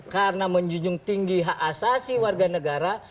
karena menjunjung tinggi hak asasi warga negara